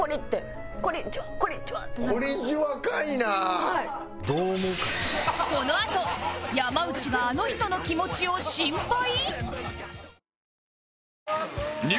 このあと山内があの人の気持ちを心配？